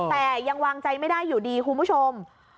แต่ยังวางใจไม่ได้อยู่ดีคุณผู้ชม